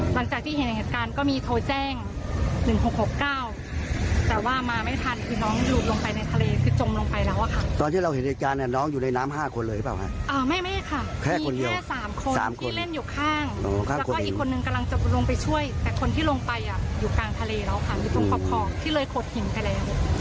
แต่ที่ลงไปอยู่กลางทะเลแล้วค่ะอยู่ตรงครอปที่เลยโคตรหินกันแล้ว